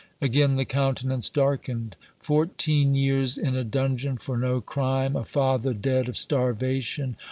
Again the countenance darkened. "Fourteen years in a dungeon for no crime! a father dead of starvation!